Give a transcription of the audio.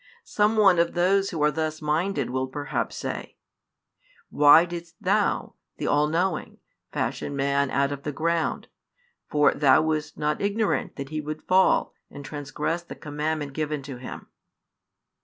Some one of those who are thus minded will perhaps say: "Why didst Thou, the All knowing, fashion man out of the ground? For Thou wast not ignorant that he would fall and transgress the commandment given to him."